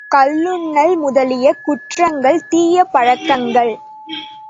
கள்ளுண்ணல் முதலிய குற்றங்கள் தீயபழக்கங்கள்.